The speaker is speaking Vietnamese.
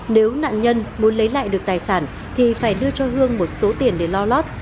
nếu nạn nhân muốn lấy lại được tài sản thì phải đưa cho hương một số tiền để lo lót